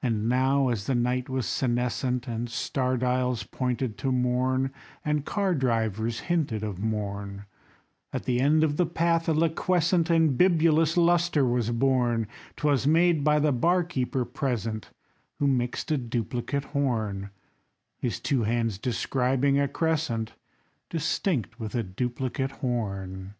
And now as the night was senescent, And star dials pointed to morn, And car drivers hinted of morn, At the end of the path a liquescent And bibulous lustre was born; 'Twas made by the bar keeper present, Who mixed a duplicate horn, His two hands describing a crescent Distinct with a duplicate horn.